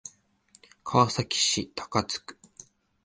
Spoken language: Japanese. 川崎市高津区